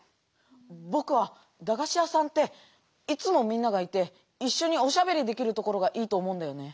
ぼくはだがし屋さんっていつもみんながいていっしょにおしゃべりできるところがいいと思うんだよね。